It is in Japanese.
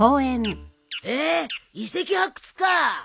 へえ遺跡発掘か。